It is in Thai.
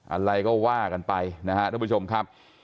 อะไรก็ว่ากันไปนะครับท่านผู้ชมครับ